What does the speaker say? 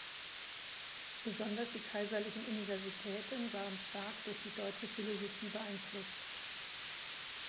Besonders die Kaiserlichen Universitäten waren stark durch die deutsche Philosophie beeinflusst.